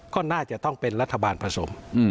ก็น่าจะต้องเป็นรัฐบาลผสม